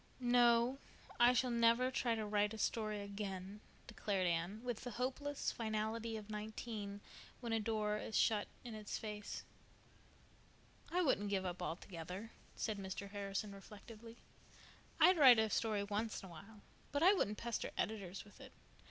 "No, I shall never try to write a story again," declared Anne, with the hopeless finality of nineteen when a door is shut in its face. "I wouldn't give up altogether," said Mr. Harrison reflectively. "I'd write a story once in a while, but I wouldn't pester editors with it.